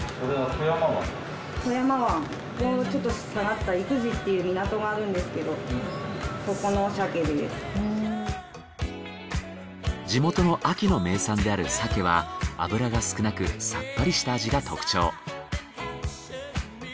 富山湾ちょっと下がった地元の秋の名産である鮭は脂が少なくさっぱりした味が特徴。